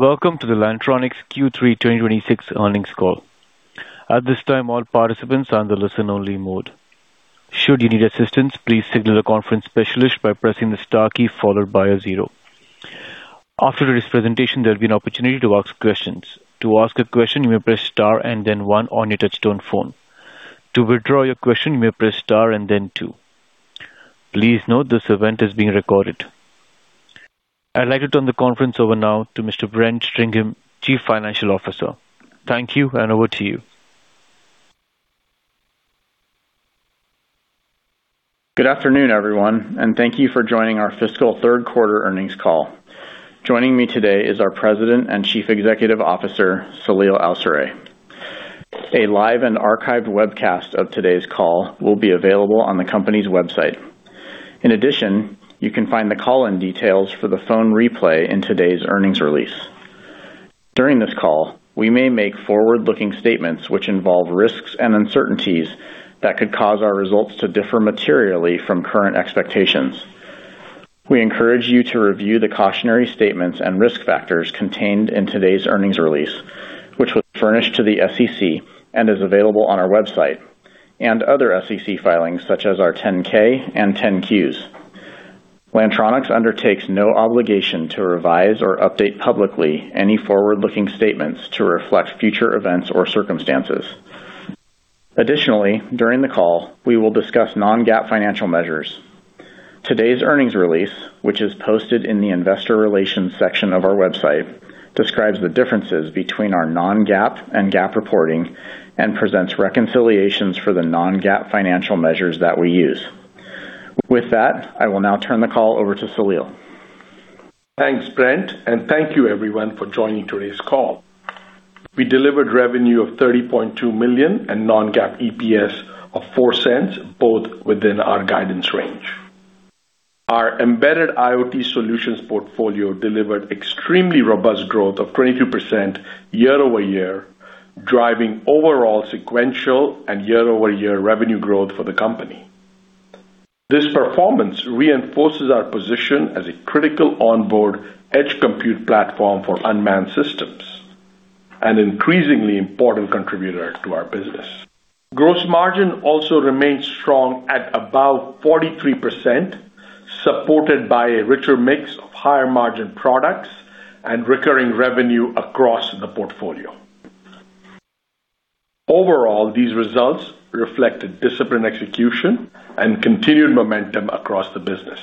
Welcome to the Lantronix Q3 2026 earnings call. I'd like to turn the conference over now to Mr. Brent Stringham, Chief Financial Officer. Thank you, and over to you. Good afternoon, everyone. Thank you for joining our fiscal third quarter earnings call. Joining me today is our President and Chief Executive Officer, Saleel Awsare. A live and archived webcast of today's call will be available on the company's website. In addition, you can find the call-in details for the phone replay in today's earnings release. During this call, we may make forward-looking statements which involve risks and uncertainties that could cause our results to differ materially from current expectations. We encourage you to review the cautionary statements and risk factors contained in today's earnings release, which was furnished to the SEC and is available on our website and other SEC filings such as our 10-K and 10-Qs. Lantronix undertakes no obligation to revise or update publicly any forward-looking statements to reflect future events or circumstances. Additionally, during the call, we will discuss non-GAAP financial measures. Today's earnings release, which is posted in the Investor Relations section of our website, describes the differences between our non-GAAP and GAAP reporting and presents reconciliations for the non-GAAP financial measures that we use. With that, I will now turn the call over to Saleel. Thanks, Brent, thank you everyone for joining today's call. We delivered revenue of $30.2 million and non-GAAP EPS of $0.04, both within our guidance range. Our embedded IoT solutions portfolio delivered extremely robust growth of 22% year-over-year, driving overall sequential and year-over-year revenue growth for the company. This performance reinforces our position as a critical onboard edge compute platform for unmanned systems, an increasingly important contributor to our business. Gross margin also remains strong at about 43%, supported by a richer mix of higher margin products and recurring revenue across the portfolio. These results reflect a disciplined execution and continued momentum across the business.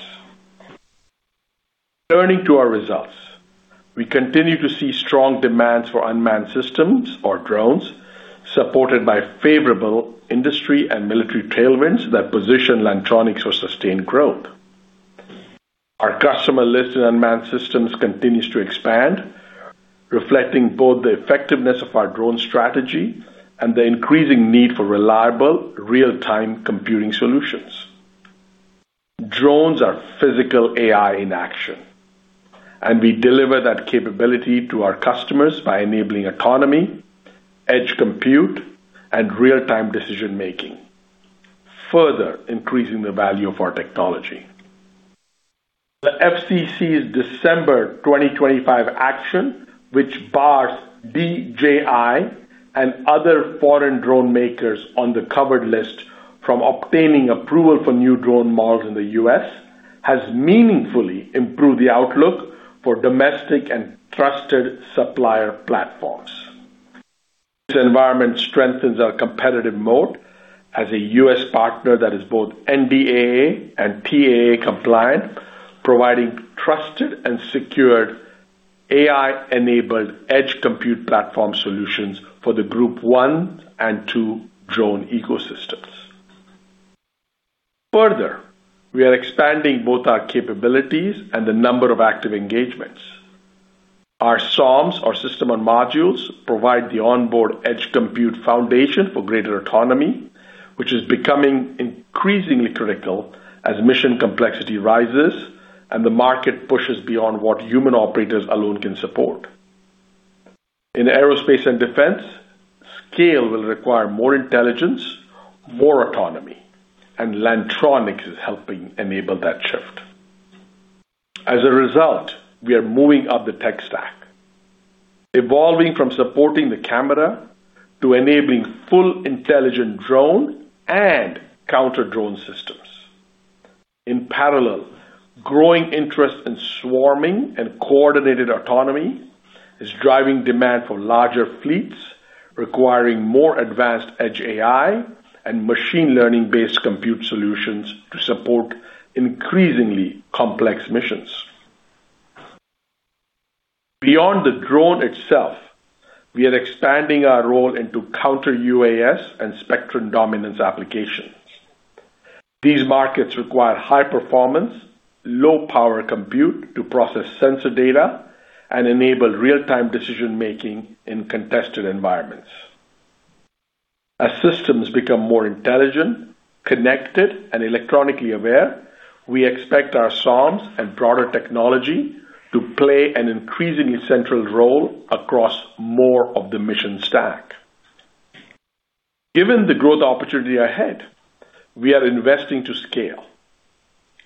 Turning to our results. We continue to see strong demands for unmanned systems or drones, supported by favorable industry and military tailwinds that position Lantronix for sustained growth. Our customer list in unmanned systems continues to expand, reflecting both the effectiveness of our drone strategy and the increasing need for reliable real-time computing solutions. Drones are physical AI in action, and we deliver that capability to our customers by enabling autonomy, edge compute, and real-time decision-making, further increasing the value of our technology. The FCC's December 2025 action, which bars DJI and other foreign drone makers on the covered list from obtaining approval for new drone models in the U.S., has meaningfully improved the outlook for domestic and trusted supplier platforms. This environment strengthens our competitive mode as a U.S. partner that is both NDAA and TAA compliant, providing trusted and secured AI-enabled edge compute platform solutions for the Group 1 and 2 drone ecosystems. Further, we are expanding both our capabilities and the number of active engagements. Our SoMs or System on Modules provide the onboard edge compute foundation for greater autonomy, which is becoming increasingly critical as mission complexity rises and the market pushes beyond what human operators alone can support. In aerospace and defense, scale will require more intelligence, more autonomy. Lantronix is helping enable that shift. As a result, we are moving up the tech stack, evolving from supporting the camera to enabling full intelligent drone and counter-drone systems. In parallel, growing interest in swarming and coordinated autonomy is driving demand for larger fleets, requiring more advanced Edge AI and machine learning-based compute solutions to support increasingly complex missions. Beyond the drone itself, we are expanding our role into counter UAS and spectrum dominance applications. These markets require high performance, low power compute to process sensor data and enable real-time decision-making in contested environments. As systems become more intelligent, connected, and electronically aware, we expect our SoMs and broader technology to play an increasingly central role across more of the mission stack. Given the growth opportunity ahead, we are investing to scale.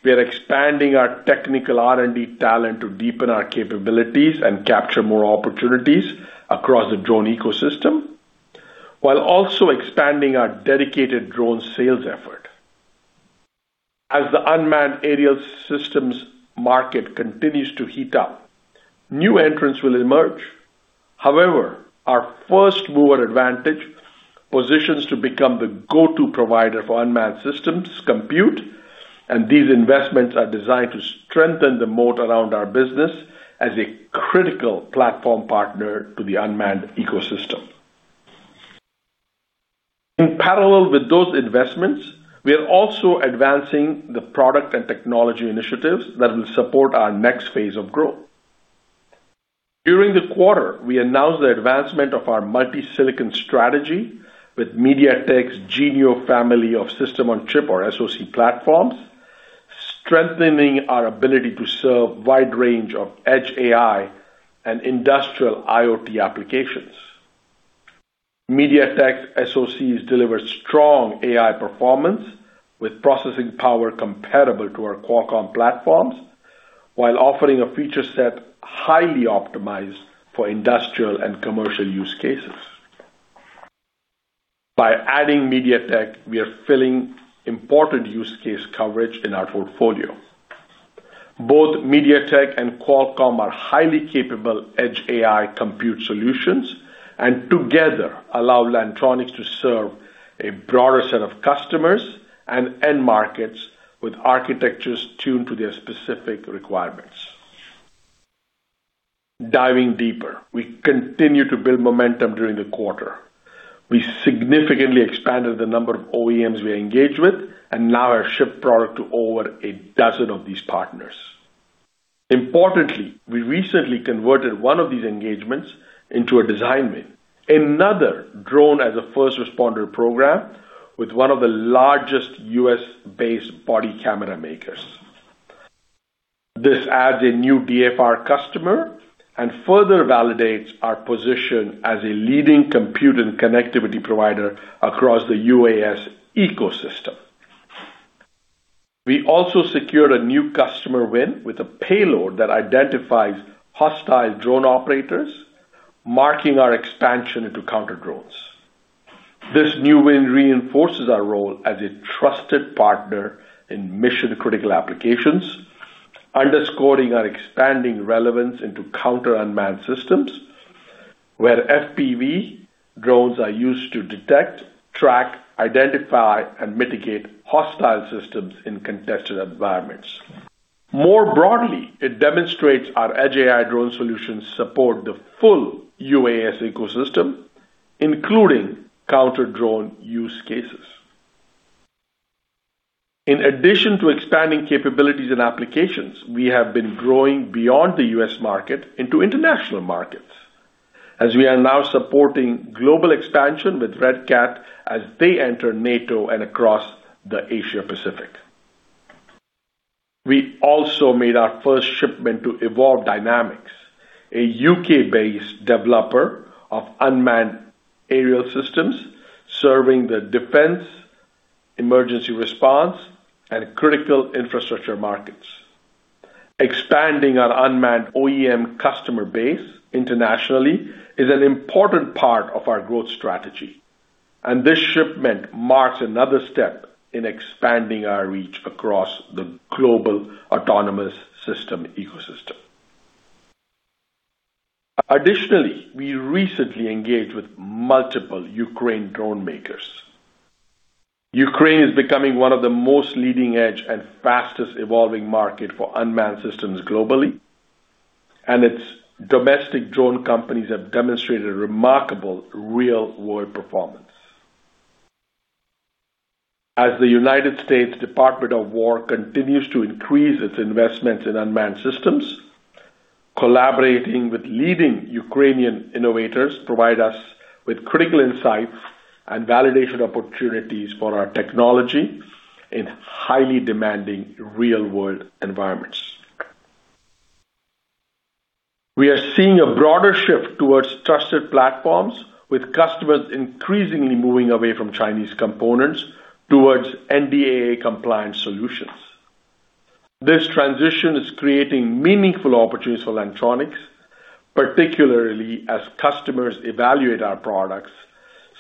We are expanding our technical R&D talent to deepen our capabilities and capture more opportunities across the drone ecosystem, while also expanding our dedicated drone sales effort. As the unmanned aerial systems market continues to heat up, new entrants will emerge. However, our first mover advantage positions to become the go-to provider for unmanned systems compute, and these investments are designed to strengthen the moat around our business as a critical platform partner to the unmanned ecosystem. In parallel with those investments, we are also advancing the product and technology initiatives that will support our next phase of growth. During the quarter, we announced the advancement of our multi-silicon strategy with MediaTek's Genio family of system-on-chip or SoC platforms, strengthening our ability to serve wide range of Edge AI and Industrial IoT applications. MediaTek's SoCs deliver strong AI performance with processing power comparable to our Qualcomm platforms, while offering a feature set highly optimized for industrial and commercial use cases. By adding MediaTek, we are filling important use case coverage in our portfolio. Both MediaTek and Qualcomm are highly capable Edge AI compute solutions and together allow Lantronix to serve a broader set of customers and end markets with architectures tuned to their specific requirements. Diving deeper, we continued to build momentum during the quarter. We significantly expanded the number of OEMs we engage with, and now have shipped product to over a dozen of these partners. Importantly, we recently converted one of these engagements into a design win, another drone as a first responder program with one of the largest U.S.-based body camera makers. This adds a new DFR customer and further validates our position as a leading compute and connectivity provider across the UAS ecosystem. We also secured a new customer win with a payload that identifies hostile drone operators, marking our expansion into counter-drones. This new win reinforces our role as a trusted partner in mission-critical applications, underscoring our expanding relevance into counter-unmanned systems, where FPV drones are used to detect, track, identify, and mitigate hostile systems in contested environments. More broadly, it demonstrates our Edge AI drone solutions support the full UAS ecosystem, including counter-drone use cases. In addition to expanding capabilities and applications, we have been growing beyond the U.S. market into international markets, as we are now supporting global expansion with Red Cat as they enter NATO and across the Asia-Pacific. We also made our first shipment to Evolve Dynamics, a U.K.-based developer of unmanned aerial systems serving the defense, emergency response, and critical infrastructure markets. Expanding our unmanned OEM customer base internationally is an important part of our growth strategy, and this shipment marks another step in expanding our reach across the global autonomous system ecosystem. Additionally, we recently engaged with multiple Ukraine drone makers. Ukraine is becoming one of the most leading-edge and fastest evolving market for unmanned systems globally, and its domestic drone companies have demonstrated remarkable real-world performance. As the United States Department of War continues to increase its investment in unmanned systems, collaborating with leading Ukrainian innovators provide us with critical insights and validation opportunities for our technology in highly demanding real-world environments. We are seeing a broader shift towards trusted platforms, with customers increasingly moving away from Chinese components towards NDAA-compliant solutions. This transition is creating meaningful opportunities for Lantronix, particularly as customers evaluate our products,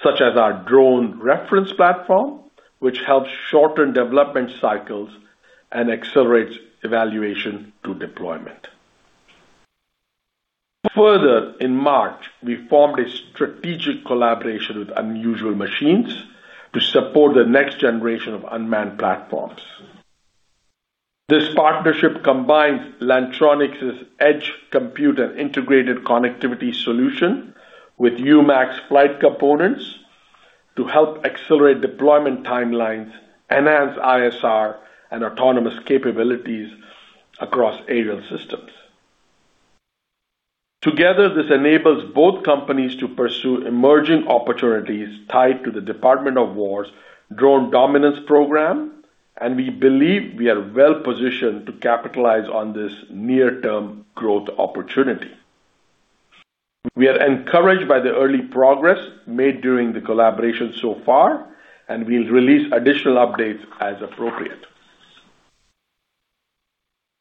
such as our drone reference platform, which helps shorten development cycles and accelerates evaluation to deployment. Further, in March, we formed a strategic collaboration with Unusual Machines to support the next generation of unmanned platforms. This partnership combines Lantronix's edge compute and integrated connectivity solution with UMAC's flight components to help accelerate deployment timelines, enhance ISR, and autonomous capabilities across aerial systems. Together, this enables both companies to pursue emerging opportunities tied to the Department of War's Drone Dominance Program, and we believe we are well-positioned to capitalize on this near-term growth opportunity. We are encouraged by the early progress made during the collaboration so far, and we'll release additional updates as appropriate.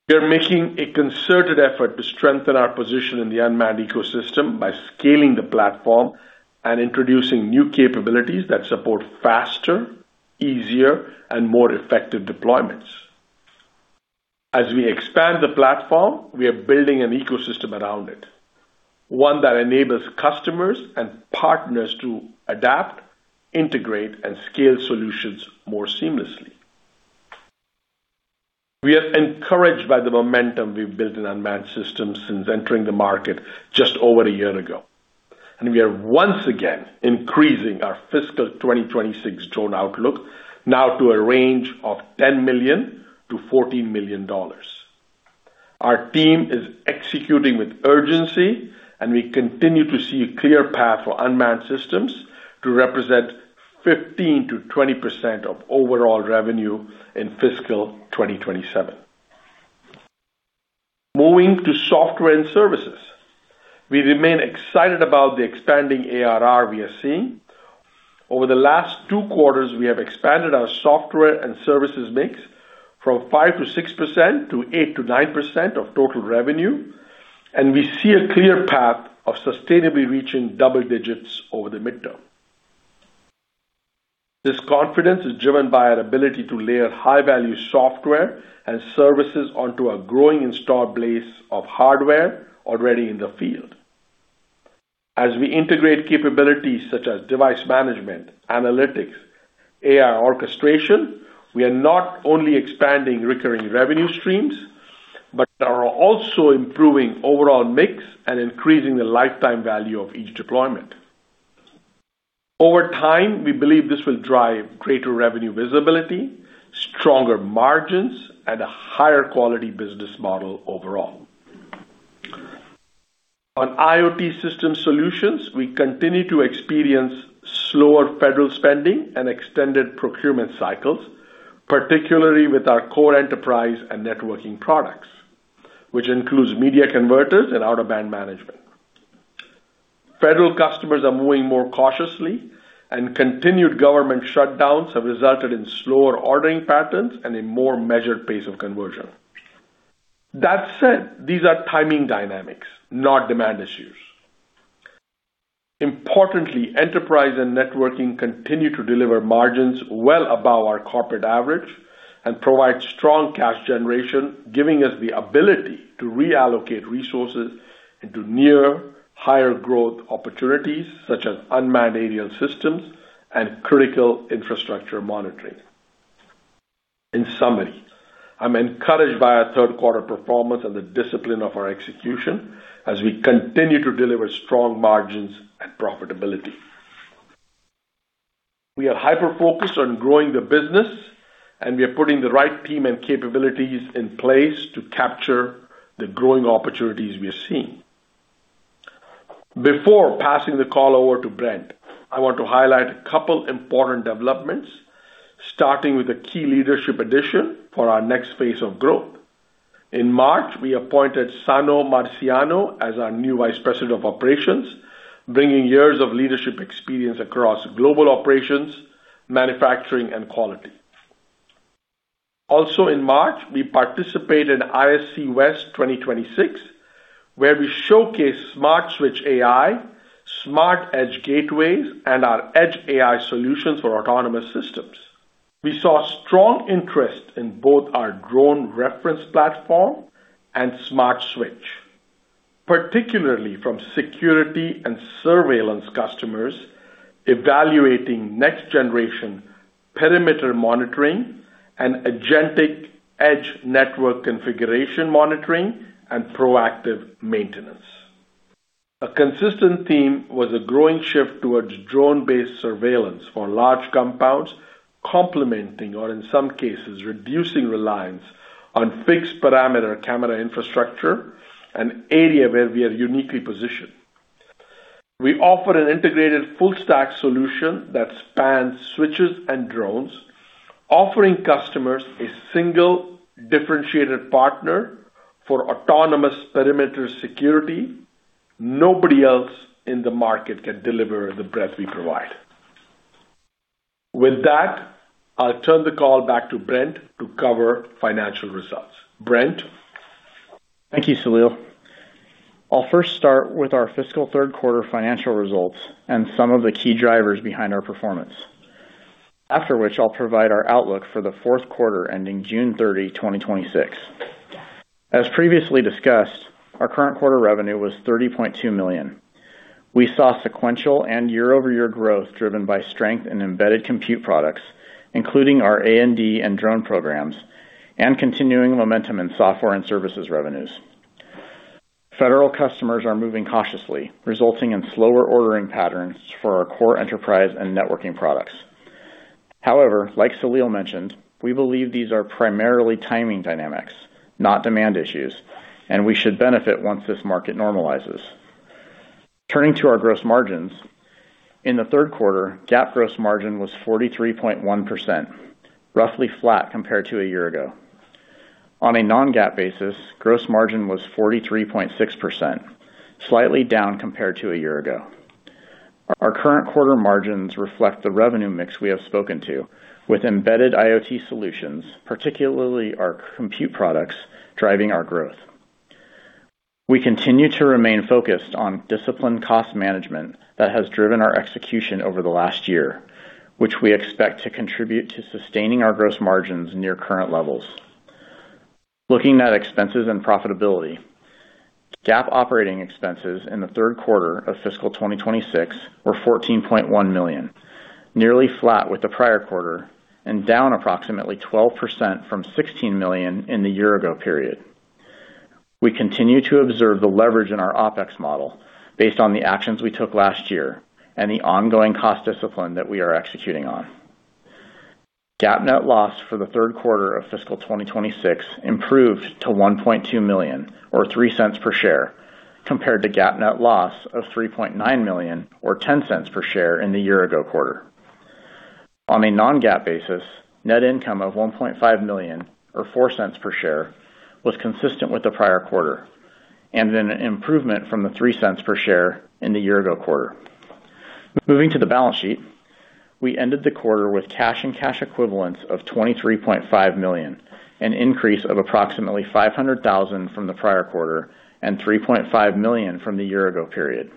We are making a concerted effort to strengthen our position in the unmanned ecosystem by scaling the platform and introducing new capabilities that support faster, easier, and more effective deployments. As we expand the platform, we are building an ecosystem around it, one that enables customers and partners to adapt, integrate, and scale solutions more seamlessly. We are encouraged by the momentum we've built in unmanned systems since entering the market just over a year ago, and we are once again increasing our fiscal 2026 drone outlook now to a range of $10 million-$14 million. Our team is executing with urgency, and we continue to see a clear path for unmanned systems to represent 15%-20% of overall revenue in fiscal 2027. Moving to software and services. We remain excited about the expanding ARR we are seeing. Over the last two quarters, we have expanded our software and services mix from 5%-6% to 8%-9% of total revenue, and we see a clear path of sustainably reaching double digits over the midterm. This confidence is driven by our ability to layer high-value software and services onto a growing installed base of hardware already in the field. As we integrate capabilities such as device management, analytics, AI orchestration, we are not only expanding recurring revenue streams, but are also improving overall mix and increasing the lifetime value of each deployment. Over time, we believe this will drive greater revenue visibility, stronger margins, and a higher quality business model overall. On IoT system solutions, we continue to experience slower federal spending and extended procurement cycles, particularly with our core enterprise and networking products, which includes media converters and out-of-band management. Federal customers are moving more cautiously, continued government shutdowns have resulted in slower ordering patterns and a more measured pace of conversion. That said, these are timing dynamics, not demand issues. Importantly, enterprise and networking continue to deliver margins well above our corporate average and provide strong cash generation, giving us the ability to reallocate resources into near higher growth opportunities, such as unmanned aerial systems and critical infrastructure monitoring. In summary, I'm encouraged by our third quarter performance and the discipline of our execution as we continue to deliver strong margins and profitability. We are hyper-focused on growing the business, and we are putting the right team and capabilities in place to capture the growing opportunities we are seeing. Before passing the call over to Brent, I want to highlight a couple important developments, starting with a key leadership addition for our next phase of growth. In March, we appointed Sano Marsiano as our new Vice President of Operations, bringing years of leadership experience across global operations, manufacturing, and quality. Also in March, we participated in ISC West 2026, where we showcased SmartSwitch.ai, SmartEDGE Gateways, and our Edge AI solutions for autonomous systems. We saw strong interest in both our drone reference platform and SmartSwitch.ai, particularly from security and surveillance customers evaluating next-generation perimeter monitoring and agentic edge network configuration monitoring and proactive maintenance. A consistent theme was a growing shift towards drone-based surveillance for large compounds, complementing or in some cases reducing reliance on fixed perimeter camera infrastructure, an area where we are uniquely positioned. We offer an integrated full stack solution that spans switches and drones, offering customers a single differentiated partner for autonomous perimeter security. Nobody else in the market can deliver the breadth we provide. With that, I'll turn the call back to Brent to cover financial results. Brent? Thank you, Saleel. I'll first start with our fiscal third quarter financial results and some of the key drivers behind our performance. After which, I'll provide our outlook for the fourth quarter ending June 30, 2026. As previously discussed, our current quarter revenue was $30.2 million. We saw sequential and year-over-year growth driven by strength in embedded compute products, including our NDAA and drone programs, and continuing momentum in software and services revenues. Federal customers are moving cautiously, resulting in slower ordering patterns for our core enterprise and networking products. Like Saleel mentioned, we believe these are primarily timing dynamics, not demand issues, and we should benefit once this market normalizes. Turning to our gross margins. In the third quarter, GAAP gross margin was 43.1%, roughly flat compared to a year ago. On a non-GAAP basis, gross margin was 43.6%, slightly down compared to a year ago. Our current quarter margins reflect the revenue mix we have spoken to, with embedded IoT solutions, particularly our compute products, driving our growth. We continue to remain focused on disciplined cost management that has driven our execution over the last year, which we expect to contribute to sustaining our gross margins near current levels. Looking at expenses and profitability, GAAP operating expenses in the third quarter of fiscal 2026 were $14.1 million, nearly flat with the prior quarter and down approximately 12% from $16 million in the year ago period. We continue to observe the leverage in our OpEx model based on the actions we took last year and the ongoing cost discipline that we are executing on. GAAP net loss for the third quarter of fiscal 2026 improved to $1.2 million or $0.03 per share compared to GAAP net loss of $3.9 million or $0.10 per share in the year ago quarter. On a non-GAAP basis, net income of $1.5 million or $0.04 per share was consistent with the prior quarter and an improvement from the $0.03 per share in the year ago quarter. Moving to the balance sheet, we ended the quarter with cash and cash equivalents of $23.5 million, an increase of approximately $500,000 from the prior quarter and $3.5 million from the year ago period.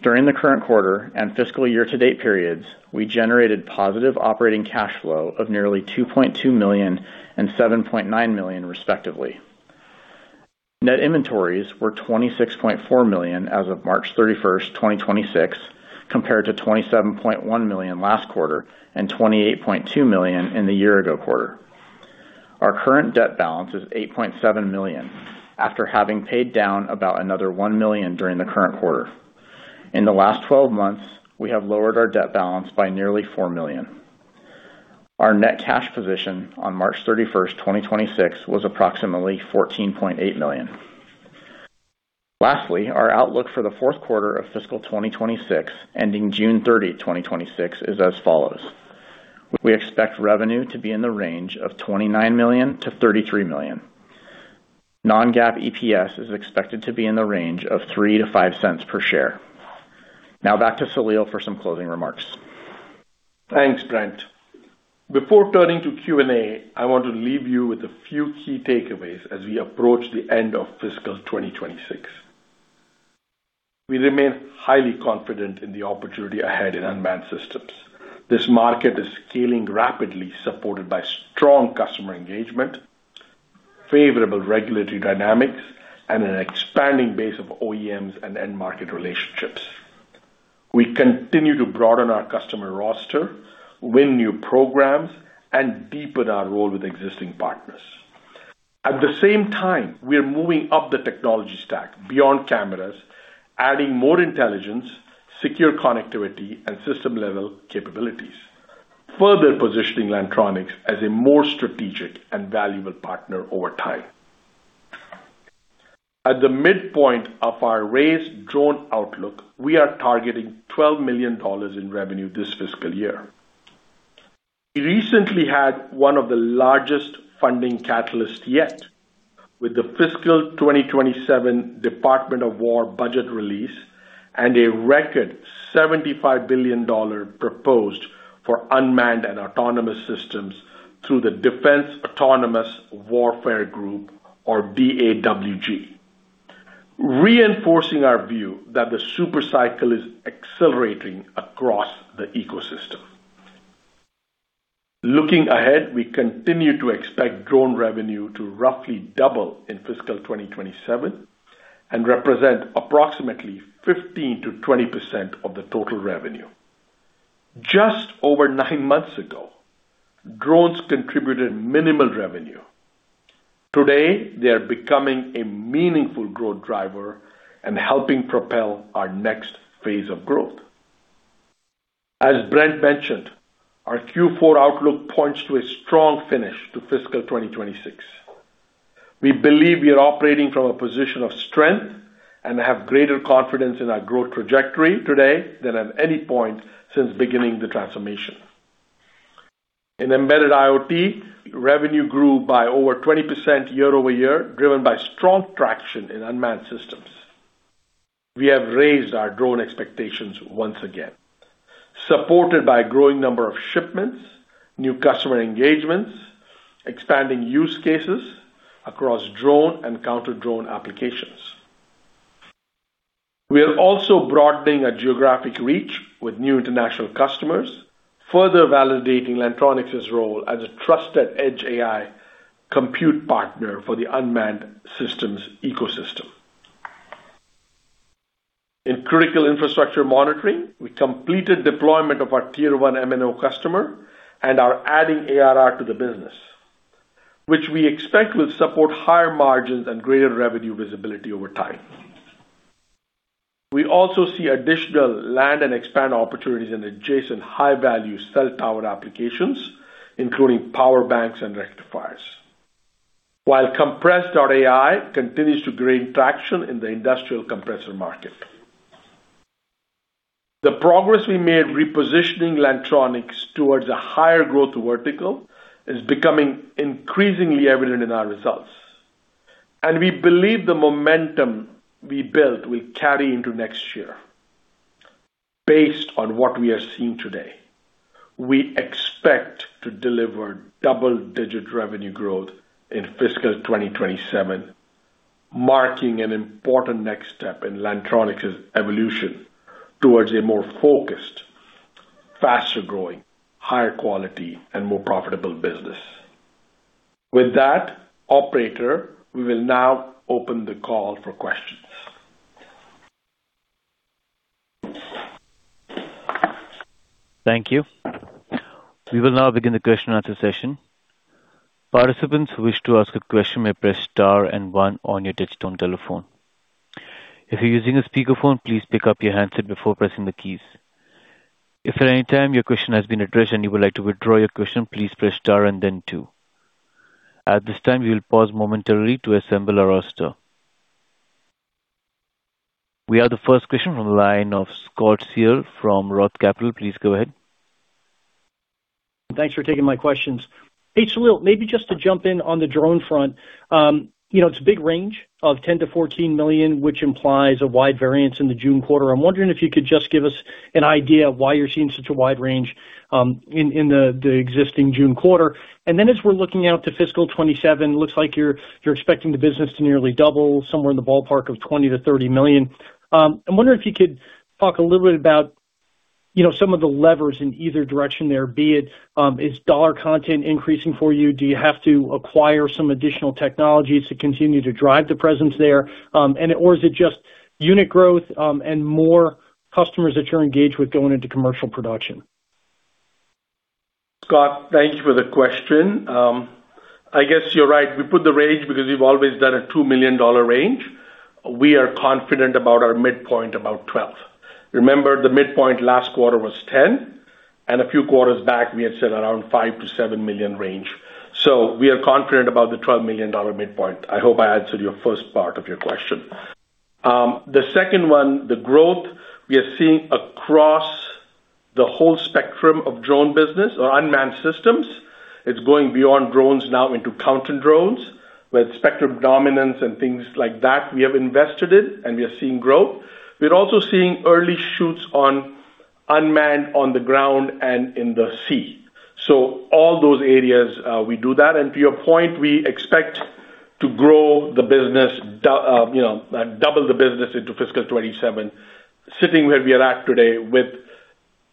During the current quarter and fiscal year-to-date periods, we generated positive operating cash flow of nearly $2.2 million and $7.9 million respectively. Net inventories were $26.4 million as of March 31st, 2026, compared to $27.1 million last quarter and $28.2 million in the year ago quarter. Our current debt balance is $8.7 million after having paid down about another $1 million during the current quarter. In the last 12 months, we have lowered our debt balance by nearly $4 million. Our net cash position on March 31st, 2026 was approximately $14.8 million. Lastly, our outlook for the fourth quarter of fiscal 2026 ending June 30, 2026 is as follows. We expect revenue to be in the range of $29 million-$33 million. Non-GAAP EPS is expected to be in the range of $0.03-$0.05 per share. Back to Saleel for some closing remarks. Thanks, Brent. Before turning to Q&A, I want to leave you with a few key takeaways as we approach the end of fiscal 2026. We remain highly confident in the opportunity ahead in unmanned systems. This market is scaling rapidly, supported by strong customer engagement, favorable regulatory dynamics, and an expanding base of OEMs and end market relationships. We continue to broaden our customer roster, win new programs, and deepen our role with existing partners. At the same time, we are moving up the technology stack beyond cameras, adding more intelligence, secure connectivity, and system-level capabilities, further positioning Lantronix as a more strategic and valuable partner over time. At the midpoint of our raised drone outlook, we are targeting $12 million in revenue this fiscal year. We recently had one of the largest funding catalysts yet with the fiscal 2027 Department of War budget release and a record $75 billion proposed for unmanned and autonomous systems through the Defense Autonomous Warfare Group, or DAWG, reinforcing our view that the super cycle is accelerating across the ecosystem. Looking ahead, we continue to expect drone revenue to roughly double in fiscal 2027 and represent approximately 15%-20% of the total revenue. Just over nine months ago, drones contributed minimal revenue. Today, they are becoming a meaningful growth driver and helping propel our next phase of growth. As Brent mentioned, our Q4 outlook points to a strong finish to fiscal 2026. We believe we are operating from a position of strength and have greater confidence in our growth trajectory today than at any point since beginning the transformation. In embedded IoT, revenue grew by over 20% year-over-year, driven by strong traction in unmanned systems. We have raised our drone expectations once again, supported by a growing number of shipments, new customer engagements, expanding use cases across drone and counter-drone applications. We are also broadening our geographic reach with new international customers, further validating Lantronix's role as a trusted Edge AI compute partner for the unmanned systems ecosystem. In critical infrastructure monitoring, we completed deployment of our Tier-1 MNO customer and are adding ARR to the business, which we expect will support higher margins and greater revenue visibility over time. We also see additional land and expand opportunities in adjacent high-value cell tower applications, including power banks and rectifiers. While Kompress.ai continues to gain traction in the industrial compressor market. The progress we made repositioning Lantronix towards a higher growth vertical is becoming increasingly evident in our results. We believe the momentum we built will carry into next year. Based on what we are seeing today, we expect to deliver double-digit revenue growth in fiscal 2027, marking an important next step in Lantronix's evolution towards a more focused, faster-growing, higher quality and more profitable business. With that, operator, we will now open the call for questions. We have the first question from the line of Scott Searle from Roth Capital. Please go ahead. Thanks for taking my questions. Hey, Saleel, maybe just to jump in on the drone front. You know, it's a big range of $10 million-$14 million, which implies a wide variance in the June quarter. I'm wondering if you could just give us an idea of why you're seeing such a wide range in the existing June quarter. As we're looking out to fiscal 2027, looks like you're expecting the business to nearly double somewhere in the ballpark of $20 million-$30 million. I'm wondering if you could talk a little bit about, you know, some of the levers in either direction there, be it, is dollar content increasing for you? Do you have to acquire some additional technologies to continue to drive the presence there? Is it just unit growth and more customers that you're engaged with going into commercial production? Scott, thank you for the question. I guess you're right. We put the range because we've always done a $2 million range. We are confident about our midpoint, about $12 million. Remember, the midpoint last quarter was $10 million, and a few quarters back, we had said around $5 million-$7 million range. We are confident about the $12 million midpoint. I hope I answered your first part of your question. The second one, the growth we are seeing across the whole spectrum of drone business or unmanned systems. It's going beyond drones now into counter drones with spectrum dominance and things like that. We have invested it and we are seeing growth. We are also seeing early shoots on unmanned on the ground and in the sea. All those areas, we do that. To your point, we expect to grow the business, you know, double the business into fiscal 2027, sitting where we are at today with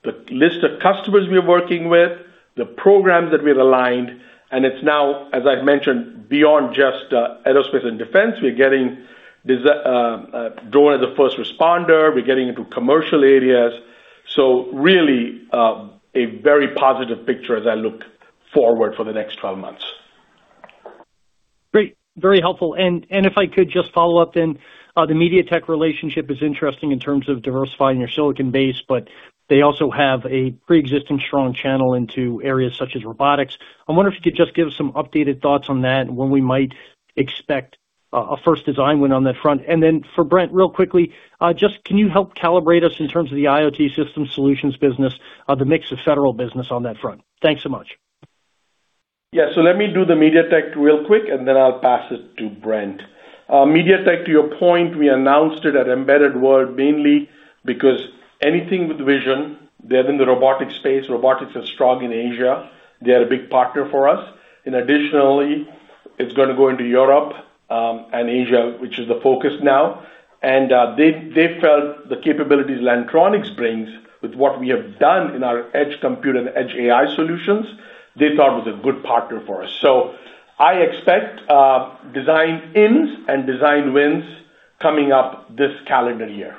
the list of customers we are working with, the programs that we've aligned, and it's now, as I've mentioned, beyond just aerospace and defense. We're getting drone as a first responder. We're getting into commercial areas. Really, a very positive picture as I look forward for the next 12 months. Great. Very helpful. If I could just follow up then, the MediaTek relationship is interesting in terms of diversifying your silicon base, but they also have a pre-existing strong channel into areas such as robotics. I wonder if you could just give us some updated thoughts on that and when we might expect a first design win on that front. Then for Brent, real quickly, just can you help calibrate us in terms of the IoT system solutions business, the mix of federal business on that front? Thanks so much. Yeah. Let me do the MediaTek real quick, and then I'll pass it to Brent. MediaTek, to your point, we announced it at embedded world, mainly because anything with vision, they're in the robotics space. Robotics is strong in Asia. They're a big partner for us. Additionally, it's gonna go into Europe, and Asia, which is the focus now. They felt the capabilities Lantronix brings with what we have done in our edge compute and Edge AI solutions, they thought was a good partner for us. I expect design-ins and design wins coming up this calendar year.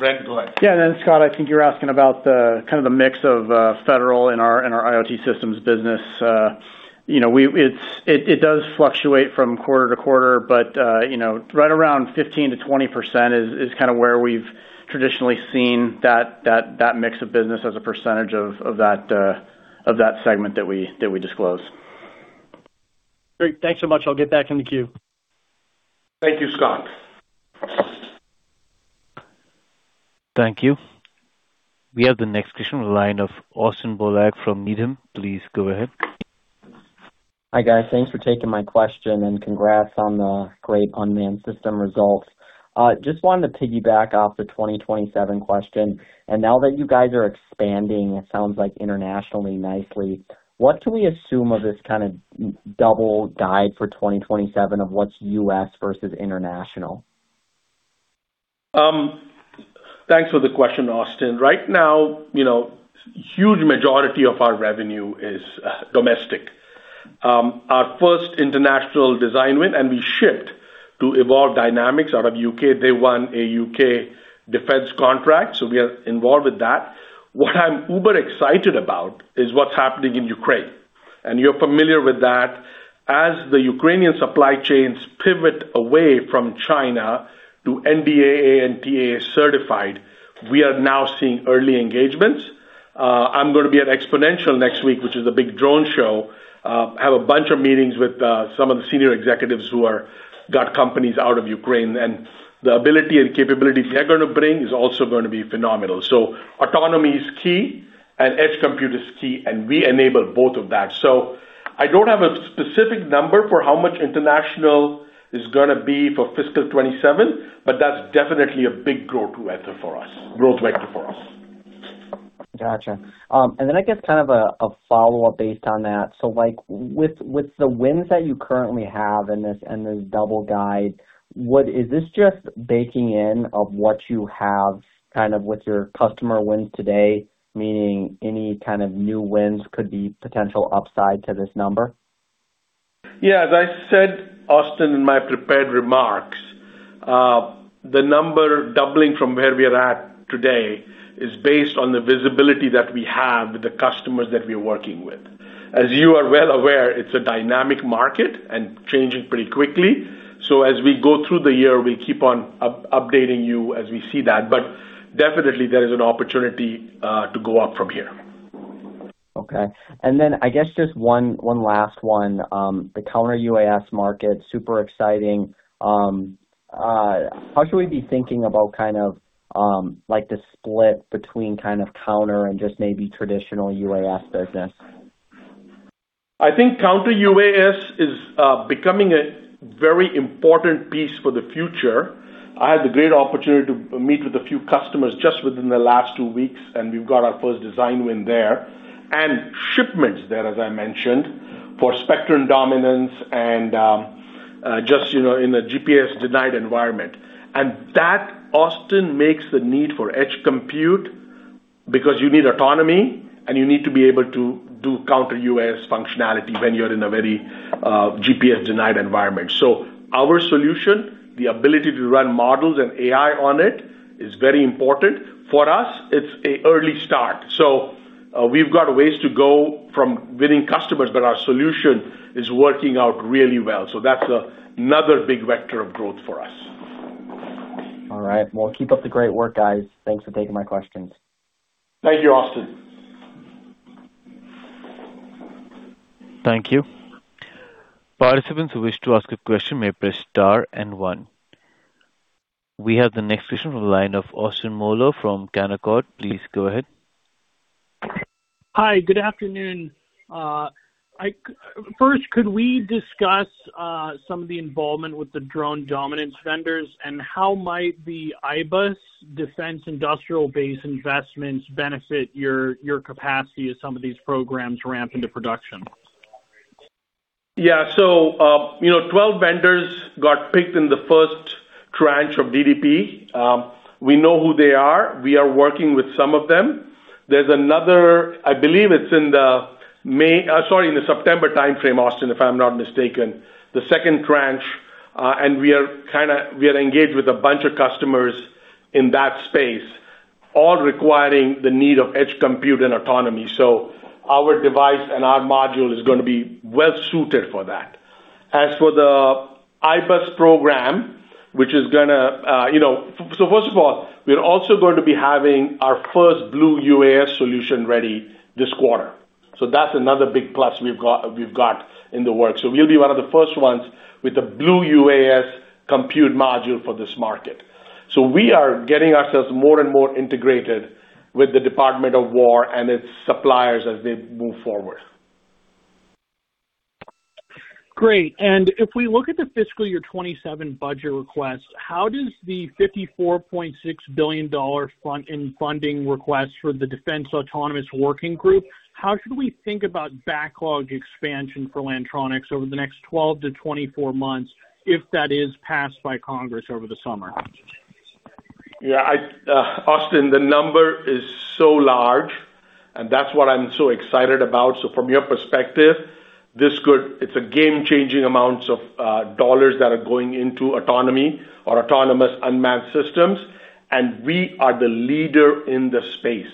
Brent, go ahead. Yeah. Scott, I think you're asking about the kind of the mix of federal in our IoT systems business. You know, it does fluctuate from quarter-to-quarter, but, you know, right around 15%-20% is kinda where we've traditionally seen that mix of business as a percentage of that segment that we disclose. Great. Thanks so much. I'll get back in the queue. Thank you, Scott. Thank you. We have the next question in the line of Austin Bohlig from Needham. Please go ahead. Hi, guys. Thanks for taking my question, and congrats on the great unmanned system results. Just wanted to piggyback off the 2027 question. Now that you guys are expanding, it sounds like internationally nicely, what can we assume of this kind of double guide for 2027 of what's U.S. versus international? Thanks for the question, Austin. Right now, you know, huge majority of our revenue is domestic. Our first international design win, we shipped to Evolve Dynamics out of U.K. They won a U.K. defense contract, we are involved with that. What I'm uber excited about is what's happening in Ukraine. You're familiar with that. As the Ukrainian supply chains pivot away from China to NDAA and TAA certified, we are now seeing early engagements. I'm gonna be at XPONENTIAL next week, which is a big drone show. Have a bunch of meetings with some of the senior executives who got companies out of Ukraine, the ability and capability they're gonna bring is also gonna be phenomenal. Autonomy is key and edge compute is key, we enable both of that. I don't have a specific number for how much international is gonna be for fiscal 2027, but that's definitely a big growth vector for us. Gotcha. And then I guess kind of a follow-up based on that. Like with the wins that you currently have in this double guide, is this just baking in of what you have kind of with your customer wins today, meaning any kind of new wins could be potential upside to this number? Yeah. As I said, Austin, in my prepared remarks, the number doubling from where we are at today is based on the visibility that we have with the customers that we are working with. As you are well aware, it's a dynamic market and changing pretty quickly. As we go through the year, we keep on updating you as we see that. Definitely there is an opportunity to go up from here. Okay. I guess just one last one. The counter UAS market, super exciting. How should we be thinking about kind of, like the split between kind of counter and just maybe traditional UAS business? I think counter UAS is becoming a very important piece for the future. I had the great opportunity to meet with a few customers just within the last two weeks, and we've got our first design win there and shipments there, as I mentioned, for spectrum dominance and just in a GPS denied environment. That, Austin, makes the need for edge compute because you need autonomy, and you need to be able to do counter UAS functionality when you're in a very GPS denied environment. Our solution, the ability to run models and AI on it is very important. For us, it's a early start, we've got ways to go from winning customers, but our solution is working out really well. That's another big vector of growth for us. All right. Well, keep up the great work, guys. Thanks for taking my questions. Thank you, Austin. Thank you. We have the next question on the line of Austin Moeller from Canaccord. Please go ahead. Hi, good afternoon. First, could we discuss some of the involvement with the Drone Dominance vendors, and how might the IBAS Defense Industrial Base investments benefit your capacity as some of these programs ramp into production? Yeah. You know, 12 vendors got picked in the first tranche of DDP. We know who they are. We are working with some of them. I believe it's in the May, sorry, in the September timeframe, Austin, if I'm not mistaken, the second tranche. We are engaged with a bunch of customers in that space, all requiring the need of edge compute and autonomy. Our device and our module is gonna be well-suited for that. As for the IBAS program, which is gonna, you know, first of all, we are also going to be having our first Blue UAS solution ready this quarter. That's another big plus we've got in the works. We'll be one of the first ones with a Blue UAS compute module for this market. We are getting ourselves more and more integrated with the Department of Defense and its suppliers as they move forward. Great. If we look at the fiscal year 2027 budget request, how does the $54.6 billion funding request for the Defense Autonomous Warfare Group, how should we think about backlog expansion for Lantronix over the next 12-24 months if that is passed by Congress over the summer? Austin, the number is so large, and that's what I'm so excited about. From your perspective, it's a game-changing amounts of dollars that are going into autonomy or autonomous unmanned systems, and we are the leader in the space.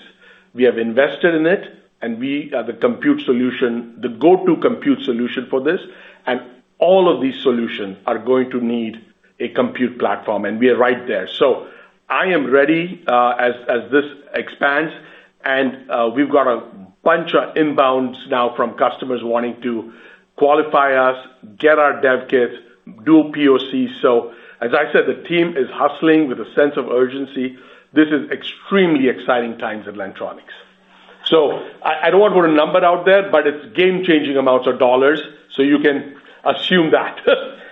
We have invested in it, and we are the compute solution, the go-to compute solution for this. All of these solutions are going to need a compute platform, and we are right there. I am ready as this expands. We've got a bunch of inbounds now from customers wanting to qualify us, get our dev kit, do POC. As I said, the team is hustling with a sense of urgency. This is extremely exciting times at Lantronix. I don't want to put a number out there, but it's game-changing amounts of dollars, so you can assume that.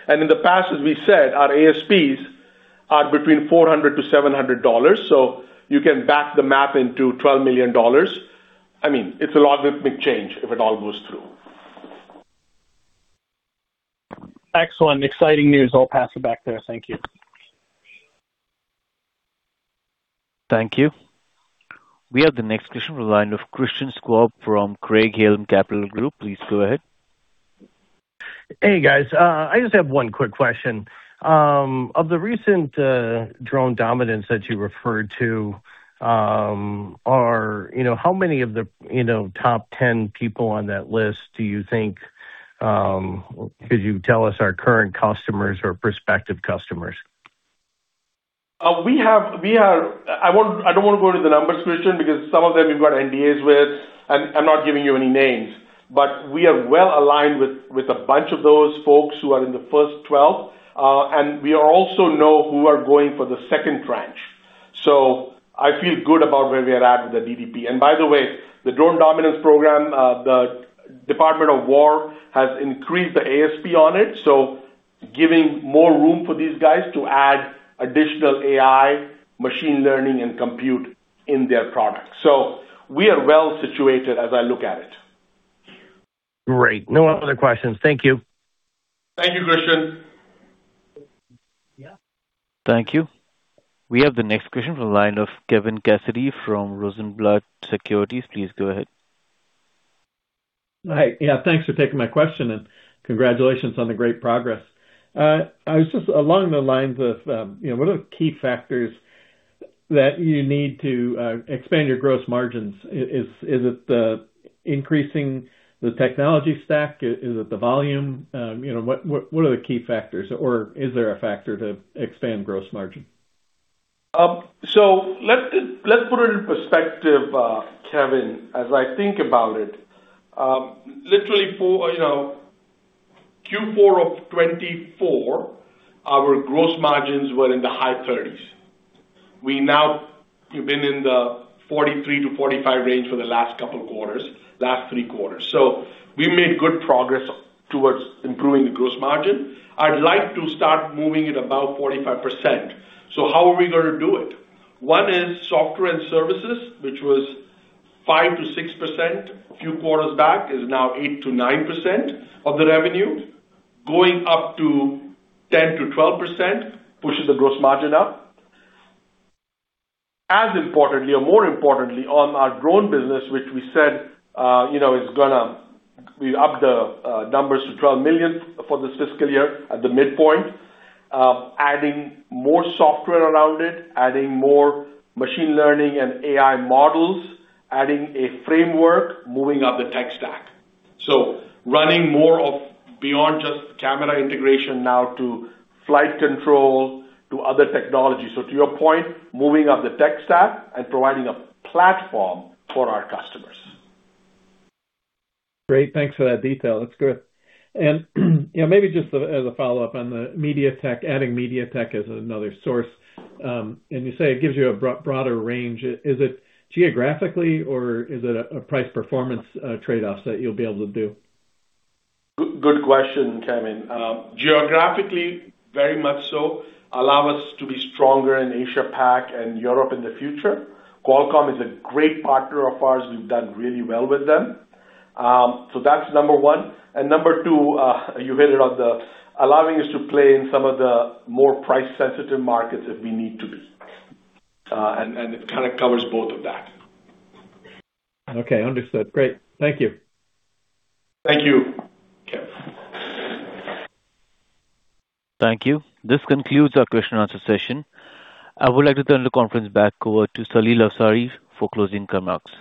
In the past, as we said, our ASPs are between $400-$700, so you can back the math into $12 million. I mean, it's a logarithmic change if it all goes through. Excellent. Exciting news. I'll pass it back there. Thank you. Thank you. We have the next question on the line of Christian Schwab from Craig-Hallum Capital Group. Please go ahead. Hey, guys. I just have one quick question. Of the recent Drone Dominance that you referred to, you know, how many of the, you know, top 10 people on that list do you think could you tell us are current customers or prospective customers? I don't wanna go into the numbers, Christian, because some of them we've got NDAs with, and I'm not giving you any names. We are well-aligned with a bunch of those folks who are in the first 12, and we also know who are going for the second tranche. I feel good about where we are at with the DDP. By the way, the Drone Dominance Program, the Department of Defense has increased the ASP on it, giving more room for these guys to add additional AI, machine learning, and compute in their product. We are well-situated as I look at it. Great. No other questions. Thank you. Thank you, Christian. Yeah. Thank you. We have the next question from the line of Kevin Cassidy from Rosenblatt Securities. Please go ahead. Hi. Yeah, thanks for taking my question. Congratulations on the great progress. I was just along the lines of, you know, what are the key factors that you need to expand your gross margins? Is it the increasing the technology stack? Is it the volume? You know, what are the key factors or is there a factor to expand gross margin? Let's put it in perspective, Kevin, as I think about it. Literally for, you know, Q4 of 2024, our gross margins were in the high 30%s. We've been in the 43%-45% range for the last couple of quarters, last three quarters. We made good progress towards improving the gross margin. I'd like to start moving at about 45%. How are we gonna do it? One is software and services, which was 5%-6% a few quarters back, is now 8%-9% of the revenue. Going up to 10%-12% pushes the gross margin up. As importantly or more importantly, on our drone business, which we said, you know, we upped the numbers to $12 million for this fiscal year at the midpoint. Adding more software around it, adding more machine learning and AI models, adding a framework, moving up the tech stack. Running more of beyond just camera integration now to flight control, to other technologies. To your point, moving up the tech stack and providing a platform for our customers. Great. Thanks for that detail. That's good. You know, maybe just as a follow-up on the MediaTek, adding MediaTek as another source, and you say it gives you a broader range. Is it geographically or is it a price performance, trade-offs that you'll be able to do? Good, good question, Kevin. Geographically, very much so. Allow us to be stronger in Asia Pac and Europe in the future. Qualcomm is a great partner of ours. We've done really well with them. That's number one. Number two, you hit it on the allowing us to play in some of the more price-sensitive markets if we need to be. It kind of covers both of that. Okay. Understood. Great. Thank you. Thank you, Kevin. Thank you. This concludes our question and answer session. I would like to turn the conference back over to Saleel Awsare for closing remarks.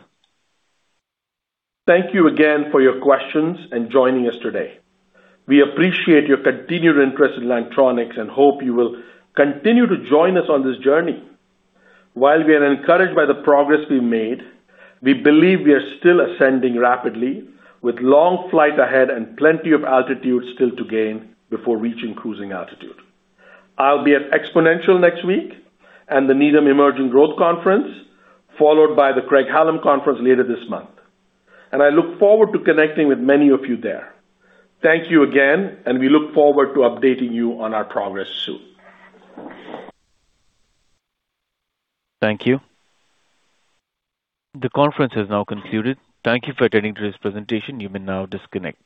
Thank you again for your questions and joining us today. We appreciate your continued interest in Lantronix and hope you will continue to join us on this journey. While we are encouraged by the progress we made, we believe we are still ascending rapidly with long flight ahead and plenty of altitude still to gain before reaching cruising altitude. I'll be at XPONENTIAL next week and the Needham Growth Conference, followed by the Craig-Hallum conference later this month, and I look forward to connecting with many of you there. Thank you again, and we look forward to updating you on our progress soon. Thank you. The conference has now concluded. Thank you for attending today's presentation. You may now disconnect.